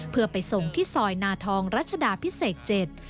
เพื่อไปส่งที่ซอยนาทองรัชดาพิเศษเจ็ด